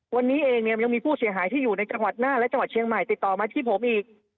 ก็ไปต่อมาที่ผมอีก